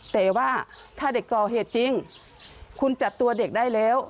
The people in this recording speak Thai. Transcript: แต่ว่าถ้าเด็กก่อเหตุจริงคุณจับตัวเด็กได้แล้ว